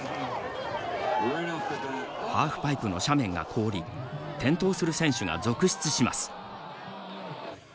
ハーフパイプの斜面が凍り転倒する選手が続出します。